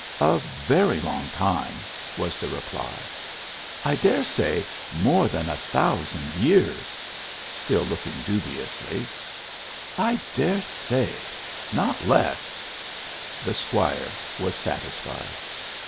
"A very long time," was the reply. " I dare say, more than a thousand years?" still looking dubiously. " I dare say? not less." The squire was satisfied.